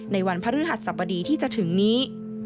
ในวันพระภรรยาศศพดีที่จะถึงนี้